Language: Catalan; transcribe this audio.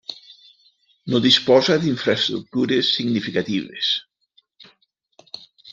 No disposa d'infraestructures significatives.